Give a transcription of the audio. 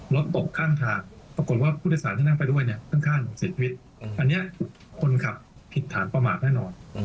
รถตกข้างทางปรากฏว่าผู้โดยสารที่นั่งไปด้วยเนี่ยข้างเสียชีวิตอันนี้คนขับผิดฐานประมาทแน่นอน